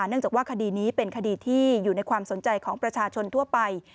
เนื่องจากว่าคดีนี้เป็นคดีที่อยู่ในความสนใจของประชาชนทั่วไป